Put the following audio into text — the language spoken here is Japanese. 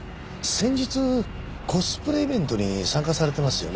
先日コスプレイベントに参加されてますよね？